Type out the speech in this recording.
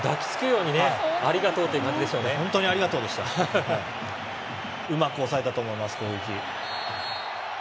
うまく抑えたと思います攻撃。